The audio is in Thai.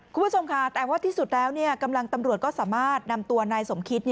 คุณผู้ชมค่ะแต่ว่าที่สุดแล้วกำลังตำรวจก็สามารถนำตัวนายสมคิต